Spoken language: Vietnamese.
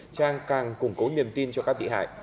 trang càng củng cố niềm tin cho các bị hại